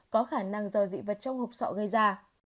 có khả năng do dị vật trong hộp sọ gây ra